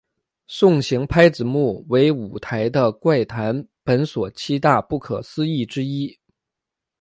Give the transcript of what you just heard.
送行拍子木为舞台的怪谈本所七大不可思议之一。